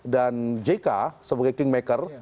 dan jk sebagai kingmaker